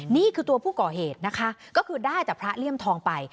นี่คือตัวผู้ก่อเหตุนะคะก็คือได้แต่พระเลี่ยมทองไป